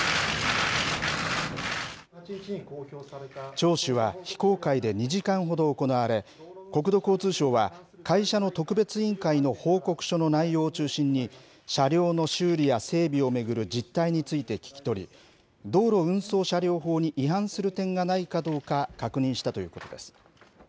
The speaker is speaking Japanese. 聴取は非公開で２時間ほど行われ、国土交通省は、会社の特別委員会の報告書の内容を中心に、車両の修理や整備を巡る実態について聴き取り、道路運送車両法に違反する点がないかどうか確認したということです。